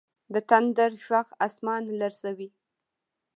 د تندر ږغ اسمان لړزوي.